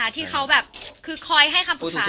ที่เขาแบบคือคอยให้คำปรุปศาลตอบ